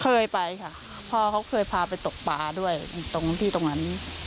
เคยไปค่ะพ่อเขาเคยพาไปตกปลาด้วยตรงที่ตรงนั้น